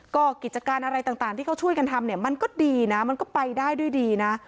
ก็กิจการอะไรต่างที่เขาช่วยกันทำเนี่ยมันก็ดีนะมันก็ไปได้ด้วยดีนะ